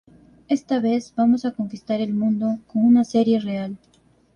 Esta vez vamos a conquistar el mundo con una serie real"".